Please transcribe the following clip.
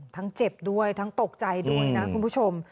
เจ็บด้วยทั้งตกใจด้วยนะคุณผู้ชม